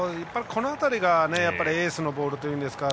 この辺りがエースのボールといいますか。